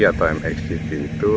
atau mx gp itu